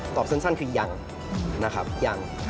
ตอบสั้นคือยัง